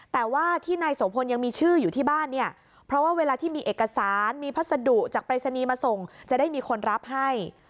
แต่ว่าที่นายโสพลยังมีชื่ออยู่ที่บ้านเนี่ยเพราะว่าเวลาที่มีเอกสารมีพัสดุจากปรายศนีย์มาส่งจะได้มีคนรับให้